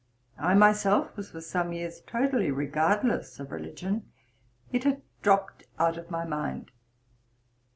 I myself was for some years totally regardless of religion. It had dropped out of my mind.